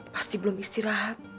pasti belum istirahat